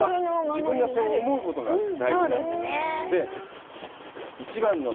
自分がそう思うことが大事なの。